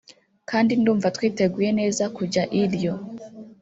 kandi ndumva twiteguye neza kujya i Rio